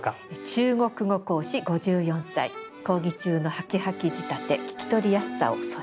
「中国語講師５４歳講義中のハキハキ仕立て聞き取りやすさを添えて」。